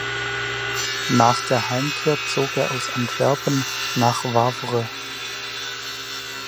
Nach der Heimkehr zog er aus Antwerpen nach Wavre.